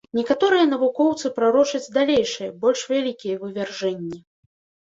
Некаторыя навукоўцы прарочаць далейшыя, больш вялікія вывяржэнні.